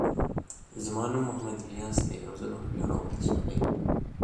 Kaffrine lies in Senegal's Peanut Basin.